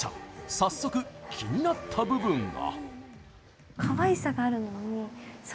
早速、気になった部分が。